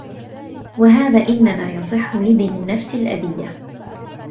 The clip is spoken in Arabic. وَهَذَا إنَّمَا يَصِحُّ لِذِي النَّفْسِ الْأَبِيَّةِ